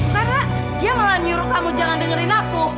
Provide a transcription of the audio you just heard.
karena dia malah nyuruh kamu jangan dengerin aku